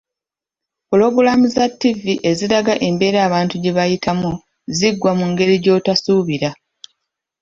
Ppulogulaamu za TV eziraga embeera abantu gye bayitamu ziggwa mu ngeri gyotasuubira.